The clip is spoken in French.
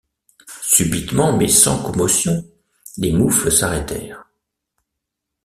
Subitement, mais sans commotion, les moufles s’arrêtèrent.